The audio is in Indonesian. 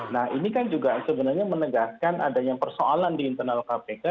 nah ini kan juga sebenarnya menegaskan adanya persoalan di internal kpk